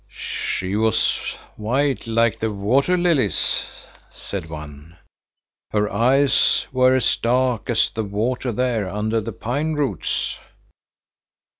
"She was white like the water lilies," said one. "Her eyes were as dark as the water there under the pine roots."